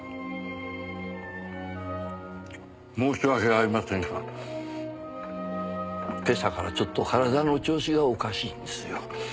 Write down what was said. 申し訳ありませんが今朝からちょっと体の調子がおかしいんですよ。